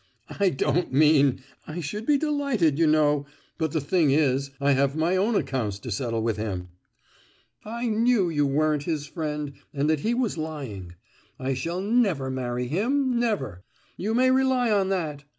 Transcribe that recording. "I don't mean—I should be delighted, you know—but the thing is, I have my own accounts to settle with him!" "I knew you weren't his friend, and that he was lying. I shall never marry him—never! You may rely on that!